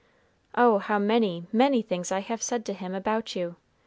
Oh, how many, many things I have said to Him about you!